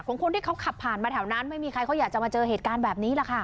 คนที่เขาขับผ่านมาแถวนั้นไม่มีใครเขาอยากจะมาเจอเหตุการณ์แบบนี้แหละค่ะ